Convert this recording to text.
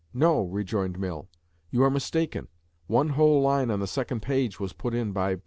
"No," rejoined Mill, "you are mistaken: one whole line on the second page was put in by